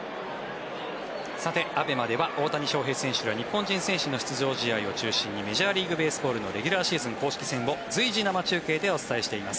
ＡＢＥＭＡでは大谷翔平選手ら日本人選手の出場試合を中心にメジャーリーグベースボールの公式戦を随時生中継でお伝えしています。